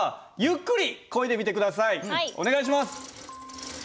お願いします！